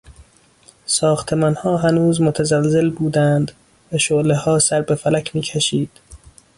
ساختمانها هنوز متزلزل بودند و شعلهها سر به فلک میکشید.